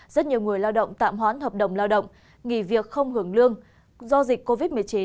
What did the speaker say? rất nhiều người lao động tạm hoán hợp đồng lao động nghỉ việc không hưởng lương do dịch covid một mươi chín